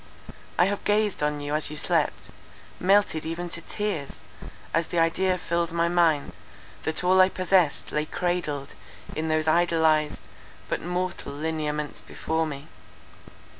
I have gazed on you as you slept, melted even to tears, as the idea filled my mind, that all I possessed lay cradled in those idolized, but mortal lineaments before me.